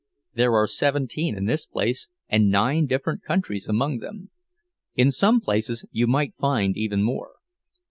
There are seventeen in this place, and nine different countries among them. In some places you might find even more.